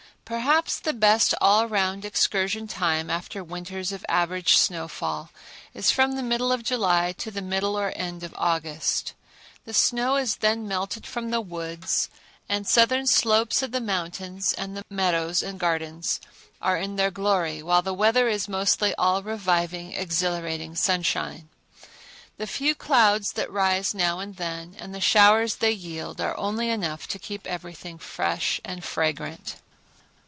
Perhaps the best all round excursion time after winters of average snowfall is from the middle of July to the middle or end of August. The snow is then melted from the woods and southern slopes of the mountains and the meadows and gardens are in their glory, while the weather is mostly all reviving, exhilarating sunshine. The few clouds that rise now and then and the showers they yield are only enough to keep everything fresh and fragrant.